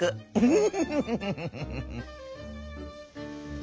フフフッ！